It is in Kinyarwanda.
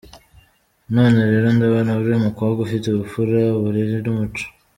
None rero ndabona uri umukobwa ufite ubupfura, uburere n’umuco.